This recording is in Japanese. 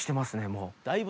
もう。